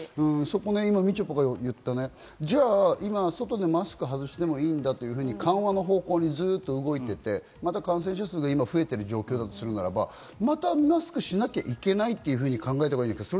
みちょぱが言った、今、外でマスク外してもいいんだと緩和の方向にずっと動いていて、感染者数が今増えている状況ならば、またマスクしなきゃいけないと考えたほうがいいんですか？